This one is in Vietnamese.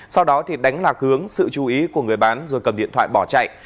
sau đó thì đánh lạc hướng sự chú ý của người bán rồi cầm điện thoại bỏ chạy